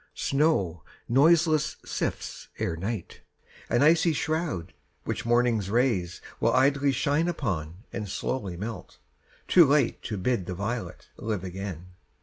Snow noiseless sifts Ere night, an icy shroud, which morning's rays Willidly shine upon and slowly melt, Too late to bid the violet live again.